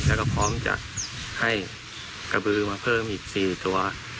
แล้วก็พร้อมจะให้กระบือมาเพิ่มอีก๔ตัว